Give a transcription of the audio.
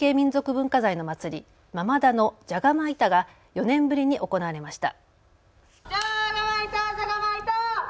文化財の祭り、間々田のじゃがまいたが４年ぶりに行われました。